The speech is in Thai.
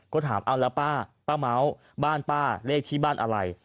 ก็ถามเอาแล้วป้าป้าเม้าบ้านป้าเลขที่บ้านอะไร